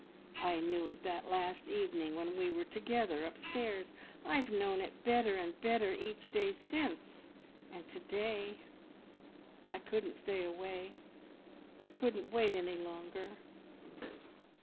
I knew it that last evening when we were together upstairs. I've known it better and better each day since; and to day I couldn't stay away, I couldn't wait any longer.